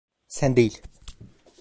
Sen değil.